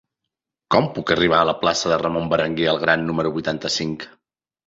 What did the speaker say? Com puc arribar a la plaça de Ramon Berenguer el Gran número vuitanta-cinc?